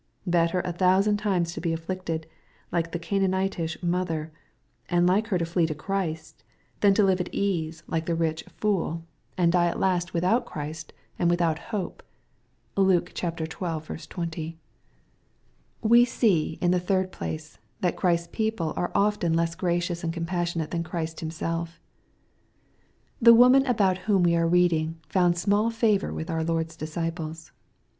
Better a thousand times be afflicted, like the Canaanitish mother, and like her flee to Christ; than live at ease^ like MATTHBW, CHAP. XT. 181 the ricti ^^ fool/' and die at last without Chriflt and with out hope. (Luke xii. 20.) We see, in the third place, that Christ's people are often less gracious and compassionate than Christ Himself, The woman about whom we are reading, found small favor with our Lord's disciples.